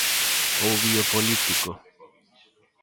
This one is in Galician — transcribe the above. Ou biopolítico.